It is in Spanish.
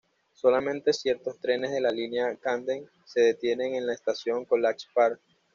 Solamente ciertos trenes de la línea Camden se detienen en la estación College Park.